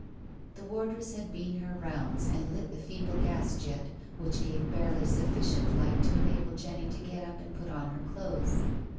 The wardress had been her rounds and lit the feeble gas jet which gave barely sufficient light to enable Jenny to get up and put on her clothes.